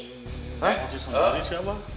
hah bawa kunci sendiri si abah